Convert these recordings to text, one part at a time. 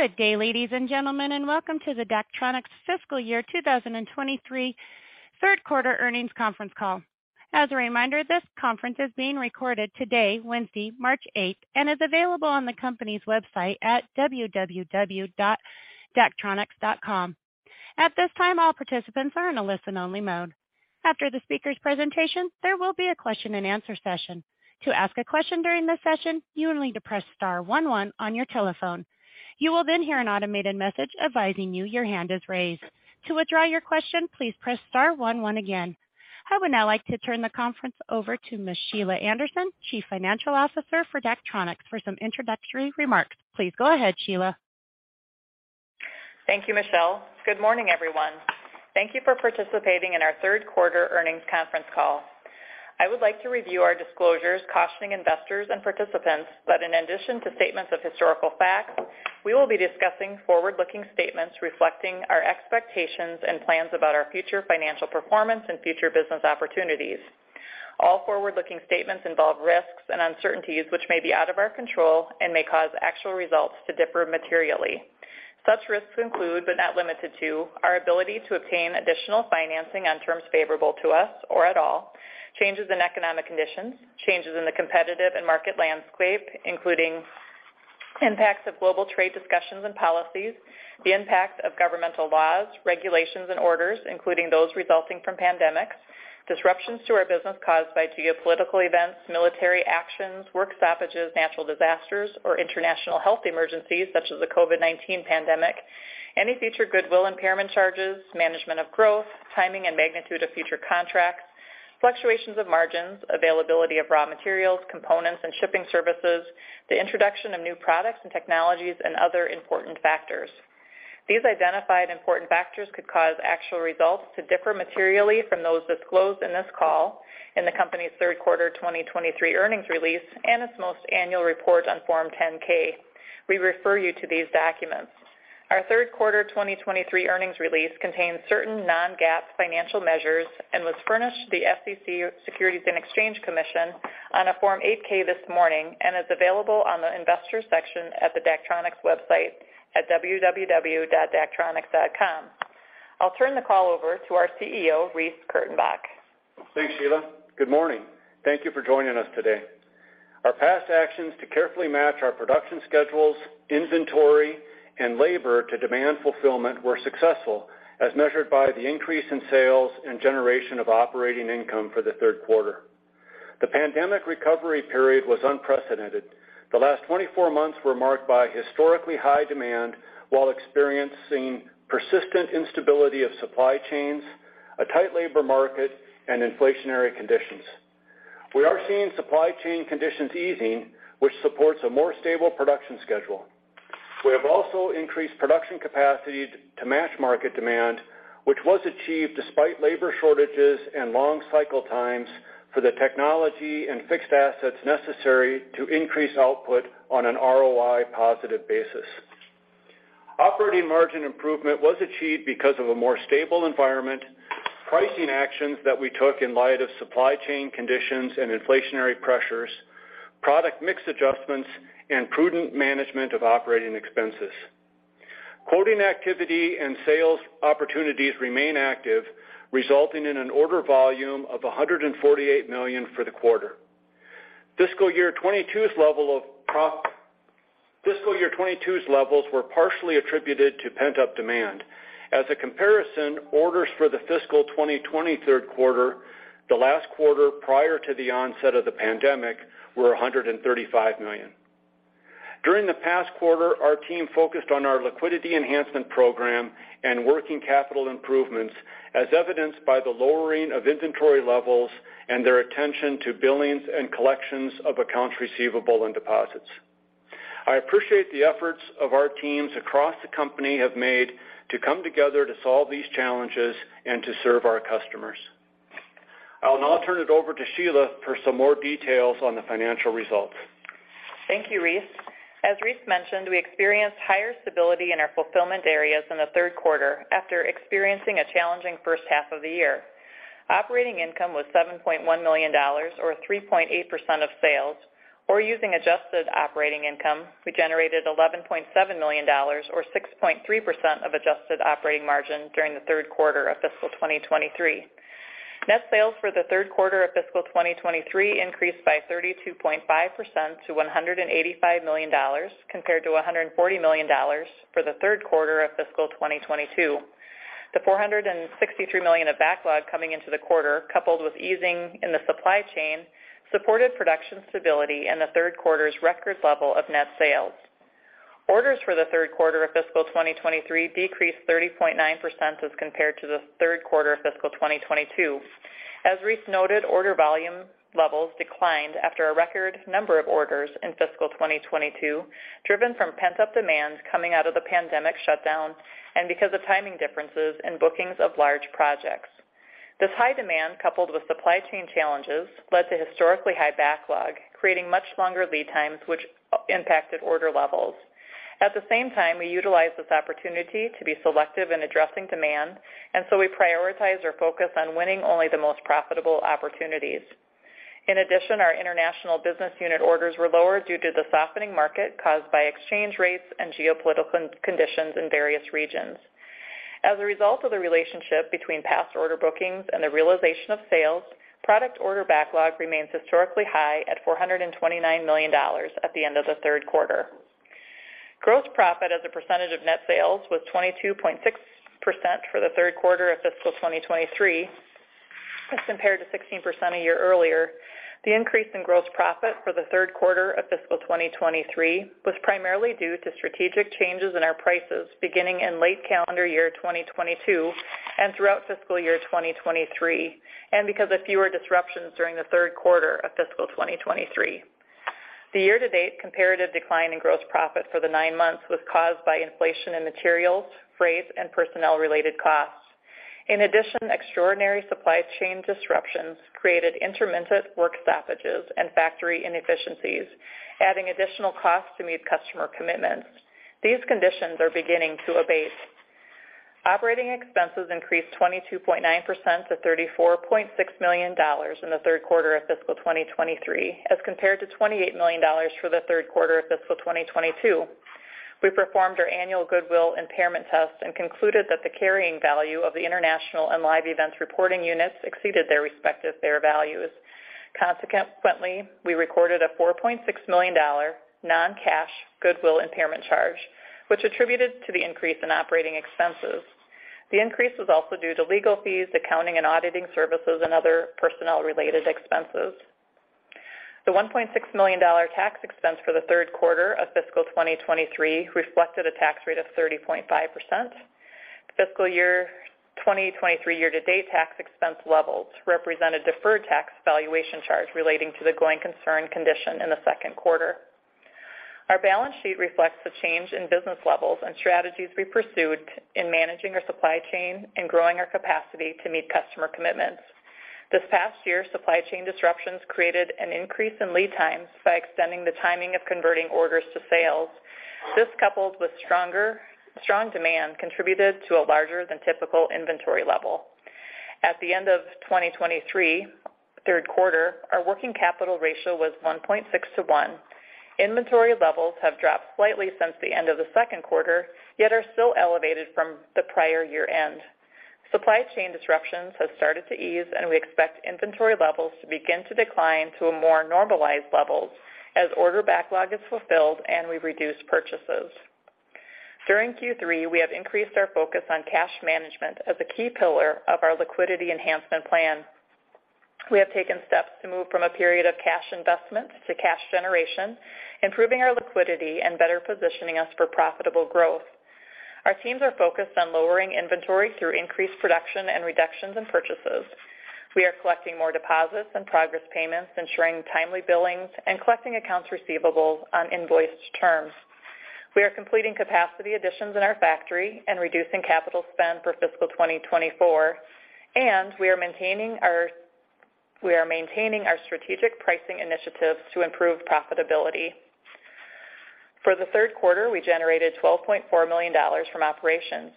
Good day, ladies and gentlemen, and welcome to the Daktronics fiscal year 2023 third quarter earnings conference call. As a reminder, this conference is being recorded today, Wednesday, March 8th, and is available on the company's website at www.daktronics.com. At this time, all participants are in a listen-only mode. After the speaker's presentation, there will be a question-and-answer session. To ask a question during this session, you will need to press star one one on your telephone. You will then hear an automated message advising you your hand is raised. To withdraw your question, please press star one one again. I would now like to turn the conference over to Ms. Sheila Anderson, Chief Financial Officer for Daktronics, for some introductory remarks. Please go ahead, Sheila. Thank you, Michelle. Good morning, everyone. Thank you for participating in our third quarter earnings conference call. I would like to review our disclosures cautioning investors and participants that in addition to statements of historical facts, we will be discussing forward-looking statements reflecting our expectations and plans about our future financial performance and future business opportunities. All forward-looking statements involve risks and uncertainties which may be out of our control and may cause actual results to differ materially. Such risks include, but not limited to, our ability to obtain additional financing on terms favorable to us or at all, changes in economic conditions, changes in the competitive and market landscape, including impacts of global trade discussions and policies, the impact of governmental laws, regulations, and orders, including those resulting from pandemics, disruptions to our business caused by geopolitical events, military actions, work stoppages, natural disasters, or international health emergencies, such as the COVID-19 pandemic, any future goodwill impairment charges, management of growth, timing and magnitude of future contracts, fluctuations of margins, availability of raw materials, components and shipping services, the introduction of new products and technologies, and other important factors. These identified important factors could cause actual results to differ materially from those disclosed in this call in the company's third quarter 2023 earnings release and its most annual report on Form 10-K. We refer you to these documents. Our third quarter 2023 earnings release contains certain non-GAAP financial measures and was furnished to the SEC, Securities and Exchange Commission, on a Form 8-K this morning and is available on the Investors section at the Daktronics website at www.daktronics.com. I'll turn the call over to our CEO, Reece Kurtenbach. Thanks, Sheila. Good morning. Thank you for joining us today. Our past actions to carefully match our production schedules, inventory, and labor to demand fulfillment were successful, as measured by the increase in sales and generation of operating income for the third quarter. The pandemic recovery period was unprecedented. The last 24 months were marked by historically high demand while experiencing persistent instability of supply chains, a tight labor market, and inflationary conditions. We are seeing supply chain conditions easing, which supports a more stable production schedule. We have also increased production capacity to match market demand, which was achieved despite labor shortages and long cycle times for the technology and fixed assets necessary to increase output on an ROI positive basis. Operating margin improvement was achieved because of a more stable environment, pricing actions that we took in light of supply chain conditions and inflationary pressures, product mix adjustments, and prudent management of operating expenses. Quoting activity and sales opportunities remain active, resulting in an order volume of $148 million for the quarter. Fiscal year 2022 levels were partially attributed to pent-up demand. As a comparison, orders for the fiscal 2020 third quarter, the last quarter prior to the onset of the pandemic, were $135 million. During the past quarter, our team focused on our Liquidity Enhancement Program and working capital improvements, as evidenced by the lowering of inventory levels and their attention to billings and collections of accounts receivable and deposits. I appreciate the efforts of our teams across the company have made to come together to solve these challenges and to serve our customers. I'll now turn it over to Sheila for some more details on the financial results. Thank you, Reece. As Reece mentioned, we experienced higher stability in our fulfillment areas in the third quarter after experiencing a challenging first half of the year. Operating income was $7.1 million or 3.8% of sales, or using adjusted operating income, we generated $11.7 million or 6.3% of adjusted operating margin during the third quarter of fiscal 2023. Net sales for the third quarter of fiscal 2023 increased by 32.5% to $185 million compared to $140 million for the third quarter of fiscal 2022. The $463 million of backlog coming into the quarter, coupled with easing in the supply chain, supported production stability in the third quarter's record level of net sales. Orders for the third quarter of fiscal 2023 decreased 30.9% as compared to the third quarter of fiscal 2022. As Reece noted, order volume levels declined after a record number of orders in fiscal 2022, driven from pent-up demand coming out of the pandemic shutdown and because of timing differences in bookings of large projects. This high demand, coupled with supply chain challenges, led to historically high backlog, creating much longer lead times, which impacted order levels. At the same time, we utilized this opportunity to be selective in addressing demand, and so we prioritize our focus on winning only the most profitable opportunities. In addition, our International business unit orders were lower due to the softening market caused by exchange rates and geopolitical conditions in various regions. As a result of the relationship between past order bookings and the realization of sales, product order backlog remains historically high at $429 million at the end of the third quarter. Gross profit as a percentage of net sales was 22.6% for the third quarter of fiscal 2023 as compared to 16% a year earlier. The increase in gross profit for the third quarter of fiscal 2023 was primarily due to strategic changes in our prices beginning in late calendar year 2022 and throughout fiscal year 2023, and because of fewer disruptions during the third quarter of fiscal 2023. The year-to-date comparative decline in gross profit for the nine months was caused by inflation in materials, freight, and personnel-related costs. In addition, extraordinary supply chain disruptions created intermittent work stoppages and factory inefficiencies, adding additional costs to meet customer commitments. These conditions are beginning to abate. Operating expenses increased 22.9% to $34.6 million in the third quarter of fiscal 2023, as compared to $28 million for the third quarter of fiscal 2022. We performed our annual goodwill impairment test and concluded that the carrying value of the International and Live Events reporting units exceeded their respective fair values. Consequently, we recorded a $4.6 million non-cash goodwill impairment charge, which attributed to the increase in operating expenses. The increase was also due to legal fees, accounting and auditing services, and other personnel-related expenses. The $1.6 million tax expense for the third quarter of fiscal 2023 reflected a tax rate of 30.5%. Fiscal year 2023 year-to-date tax expense levels represent a deferred tax valuation charge relating to the going concern condition in the second quarter. Our balance sheet reflects the change in business levels and strategies we pursued in managing our supply chain and growing our capacity to meet customer commitments. This past year, supply chain disruptions created an increase in lead times by extending the timing of converting orders to sales. This, coupled with strong demand, contributed to a larger than typical inventory level. At the end of 2023 third quarter, our working capital ratio was 1.6 to 1. Inventory levels have dropped slightly since the end of the second quarter, yet are still elevated from the prior year-end. Supply chain disruptions have started to ease, and we expect inventory levels to begin to decline to a more normalized level as order backlog is fulfilled and we reduce purchases. During Q3, we have increased our focus on cash management as a key pillar of our liquidity enhancement plan. We have taken steps to move from a period of cash investment to cash generation, improving our liquidity and better positioning us for profitable growth. Our teams are focused on lowering inventory through increased production and reductions in purchases. We are collecting more deposits and progress payments, ensuring timely billings and collecting accounts receivables on invoiced terms. We are completing capacity additions in our factory and reducing capital spend for fiscal 2024, and we are maintaining our strategic pricing initiatives to improve profitability. For the third quarter, we generated $12.4 million from operations.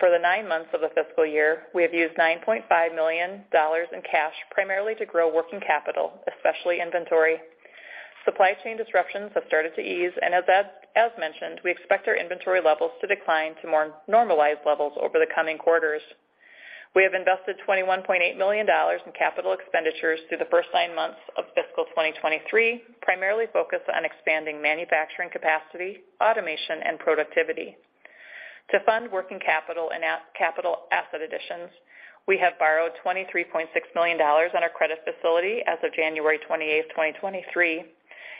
For the nine months of the fiscal year, we have used $9.5 million in cash primarily to grow working capital, especially inventory. Supply chain disruptions have started to ease, as mentioned, we expect our inventory levels to decline to more normalized levels over the coming quarters. We have invested $21.8 million in capital expenditures through the first nine months of fiscal 2023, primarily focused on expanding manufacturing capacity, automation, and productivity. To fund working capital and capital asset additions, we have borrowed $23.6 million on our credit facility as of January 28th, 2023,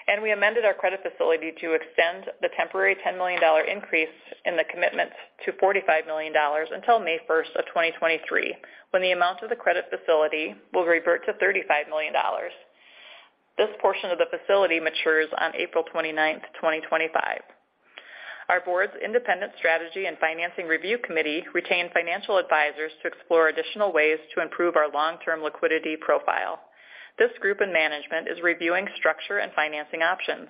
and we amended our credit facility to extend the temporary $10 million increase in the commitments to $45 million until May 1st, 2023, when the amount of the credit facility will revert to $35 million. This portion of the facility matures on April 29th, 2025. Our board's independent Strategy and Financing Review Committee retained financial advisors to explore additional ways to improve our long-term liquidity profile. This group in management is reviewing structure and financing options.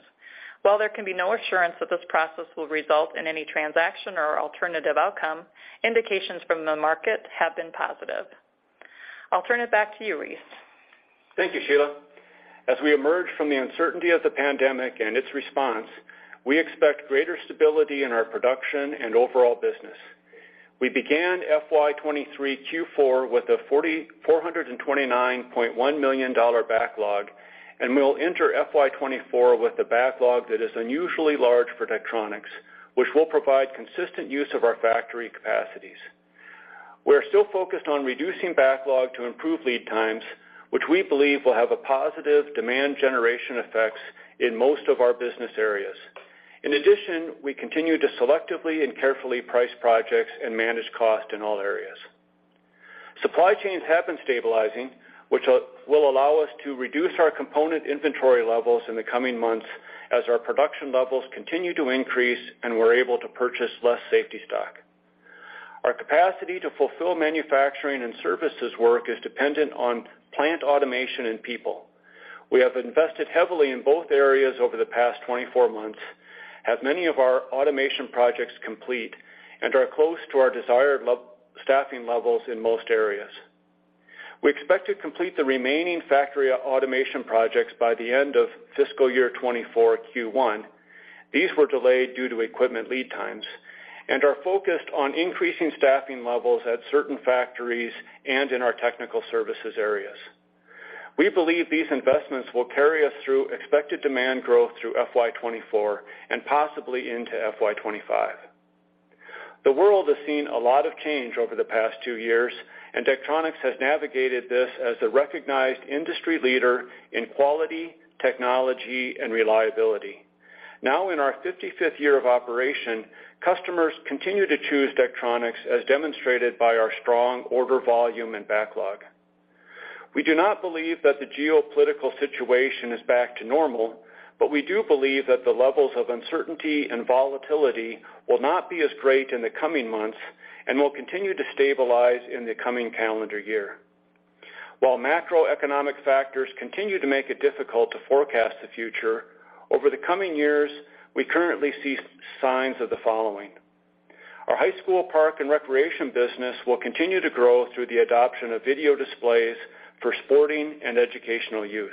While there can be no assurance that this process will result in any transaction or alternative outcome, indications from the market have been positive. I'll turn it back to you, Reece. Thank you, Sheila. As we emerge from the uncertainty of the pandemic and its response, we expect greater stability in our production and overall business. We began FY 2023 Q4 with a $4,9.1 million backlog. We will enter FY 2024 with a backlog that is unusually large for Daktronics, which will provide consistent use of our factory capacities. We're still focused on reducing backlog to improve lead times, which we believe will have a positive demand generation effects in most of our business areas. In addition, we continue to selectively and carefully price projects and manage cost in all areas. Supply chains have been stabilizing, which will allow us to reduce our component inventory levels in the coming months as our production levels continue to increase and we're able to purchase less safety stock. Our capacity to fulfill manufacturing and services work is dependent on plant automation and people. We have invested heavily in both areas over the past 24 months. Have many of our automation projects complete and are close to our desired staffing levels in most areas. We expect to complete the remaining factory automation projects by the end of fiscal year 2024 Q1. These were delayed due to equipment lead times and are focused on increasing staffing levels at certain factories and in our technical services areas. We believe these investments will carry us through expected demand growth through FY 2024 and possibly into FY 2025. The world has seen a lot of change over the past two years. Daktronics has navigated this as a recognized industry leader in quality, technology and reliability. In our 55th year of operation, customers continue to choose Daktronics as demonstrated by our strong order volume and backlog. We do not believe that the geopolitical situation is back to normal, but we do believe that the levels of uncertainty and volatility will not be as great in the coming months and will continue to stabilize in the coming calendar year. While macroeconomic factors continue to make it difficult to forecast the future, over the coming years, we currently see signs of the following. Our high school park and recreation business will continue to grow through the adoption of video displays for sporting and educational use.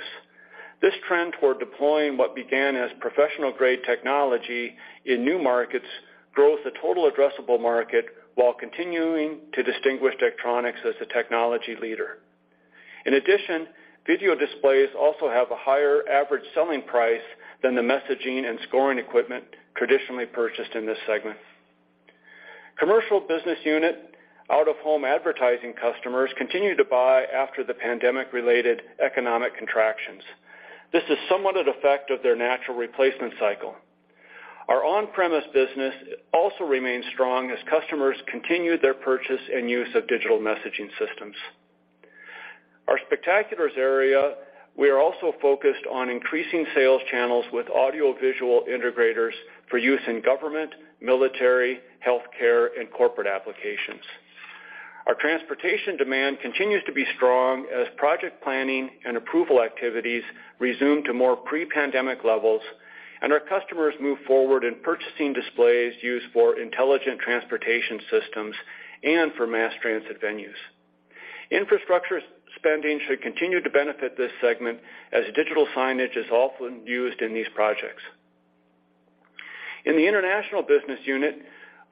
This trend toward deploying what began as professional grade technology in new markets grows the total addressable market while continuing to distinguish Daktronics as a technology leader. In addition, video displays also have a higher average selling price than the messaging and scoring equipment traditionally purchased in this segment. Commercial business unit out-of-home advertising customers continue to buy after the pandemic-related economic contractions. This is somewhat an effect of their natural replacement cycle. Our on-premise business also remains strong as customers continue their purchase and use of digital messaging systems. Our spectaculars area, we are also focused on increasing sales channels with audiovisual integrators for use in government, military, healthcare and corporate applications. Our transportation demand continues to be strong as project planning and approval activities resume to more pre-pandemic levels and our customers move forward in purchasing displays used for intelligent transportation systems and for mass transit venues. Infrastructure spending should continue to benefit this segment as digital signage is often used in these projects. In the International business unit,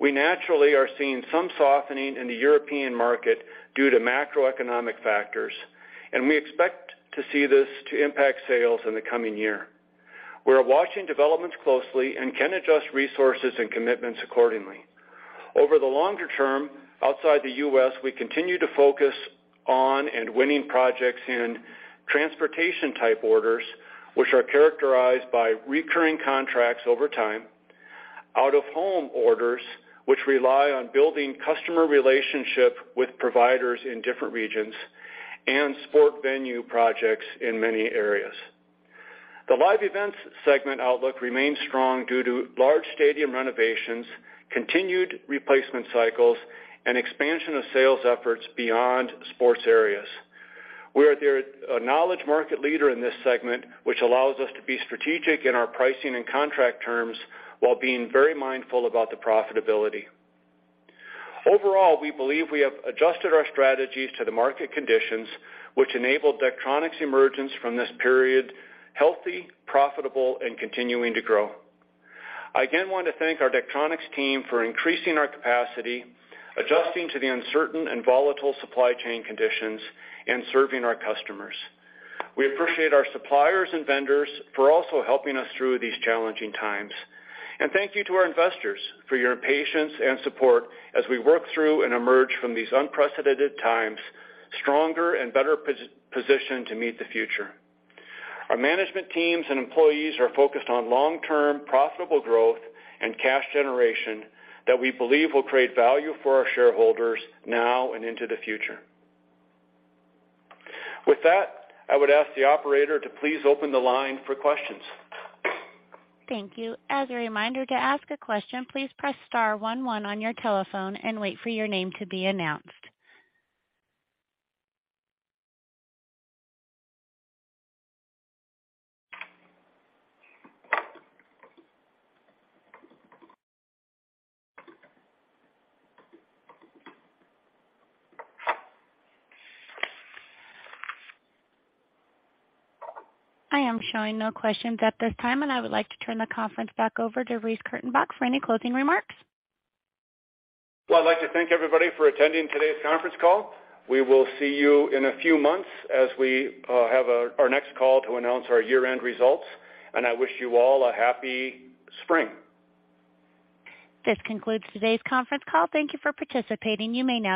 we naturally are seeing some softening in the European market due to macroeconomic factors, and we expect to see this to impact sales in the coming year. We're watching developments closely and can adjust resources and commitments accordingly. Over the longer term, outside the U.S., we continue to focus on and winning projects in transportation type orders which are characterized by recurring contracts over time, out-of-home orders which rely on building customer relationship with providers in different regions and sport venue projects in many areas. The Live Events segment outlook remains strong due to large stadium renovations, continued replacement cycles and expansion of sales efforts beyond sports areas. We are a knowledge market leader in this segment, which allows us to be strategic in our pricing and contract terms while being very mindful about the profitability. Overall, we believe we have adjusted our strategies to the market conditions which enabled Daktronics emergence from this period healthy, profitable and continuing to grow. I again want to thank our Daktronics team for increasing our capacity, adjusting to the uncertain and volatile supply chain conditions and serving our customers. We appreciate our suppliers and vendors for also helping us through these challenging times. Thank you to our investors for your patience and support as we work through and emerge from these unprecedented times stronger and better positioned to meet the future. Our management teams and employees are focused on long-term profitable growth and cash generation that we believe will create value for our shareholders now and into the future. With that, I would ask the Operator to please open the line for questions. Thank you. As a reminder, to ask a question, please press star one one on your telephone and wait for your name to be announced. I am showing no questions at this time and I would like to turn the conference back over to Reece Kurtenbach for any closing remarks. Well, I'd like to thank everybody for attending today's conference call. We will see you in a few months as we have our next call to announce our year-end results. I wish you all a happy spring. This concludes today's conference call. Thank you for participating. You may now disconnect.